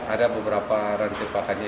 ada beberapa rantai pakannya